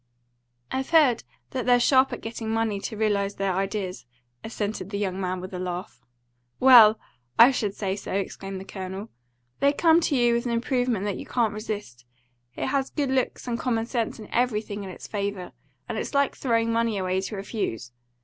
"I've heard that they're sharp at getting money to realise their ideas," assented the young man, with a laugh. "Well, I should say so!" exclaimed the Colonel. "They come to you with an improvement that you can't resist. It has good looks and common sense and everything in its favour, and it's like throwing money away to refuse.